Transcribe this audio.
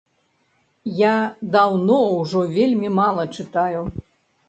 Я даўно ўжо вельмі мала чытаю.